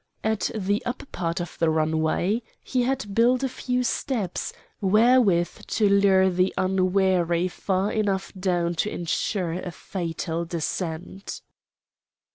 At the upper part of the runway he had built a few steps, wherewith to lure the unwary far enough down to insure a fatal descent.